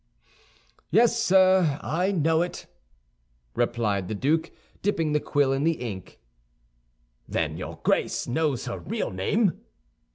"Yes, sir, I know it," replied the duke, dipping the quill in the ink. "Then your Grace knows her real name?"